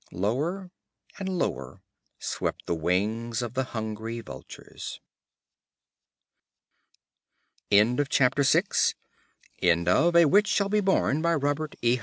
Lower and lower swept the wings of the hungry vultures. End of Project Gutenberg's A Witch Shall Be Born, by Robert E.